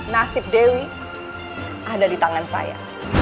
nasib dewi ada di tangan saya